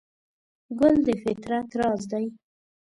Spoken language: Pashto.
ګل د فطرت راز دی.